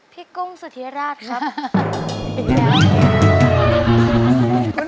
พี่กุ้งสุโธิราชครับ